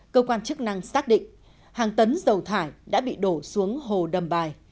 cơ quan chức năng xác định hàng tấn dầu thải đã bị đổ xuống hồ đầm bài